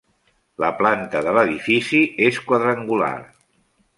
La planta de l'edifici és quadrangular.